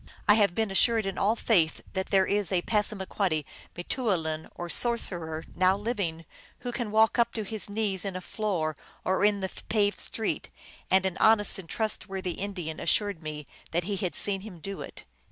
I have been assured in all faith that there is a Passamaquoddy m te ou lin, or sorcerer, now living, who can walk up to his knees in a floor or in the paved street, and an honest and trustworthy In dian assured me that he had seen him do it.